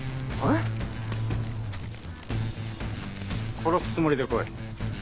殺すつもりで来い。